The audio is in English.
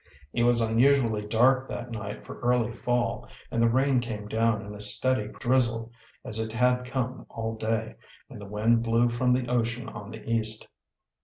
It was unusually dark that night for early fall, and the rain came down in a steady drizzle, as it had come all day, and the wind blew from the ocean on the east.